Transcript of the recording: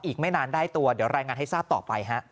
อีกไม่นานได้ตัวเดี๋ยวรายงานให้ทราบต่อไปฮะ